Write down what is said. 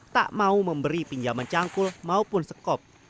tak mau memberi pinjaman cangkul maupun sekop